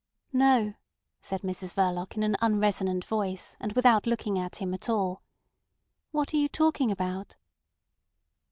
"No," said Mrs Verloc in an unresonant voice, and without looking at him at all. "What are you talking about?"